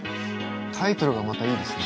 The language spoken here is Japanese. タイトルがまたいいですね。